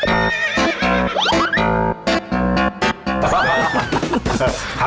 เรี้ยใช่ไหมครับ